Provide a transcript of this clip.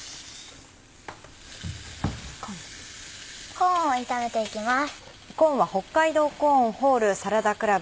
コーンを炒めていきます。